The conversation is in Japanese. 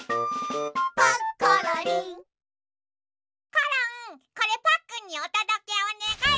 コロンこれパックンにおとどけおねがい。